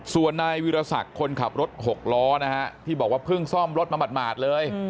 ส่วนนายวิรสักคนขับรถหกล้อนะฮะที่บอกว่าเพิ่งซ่อมรถมาหมาดเลย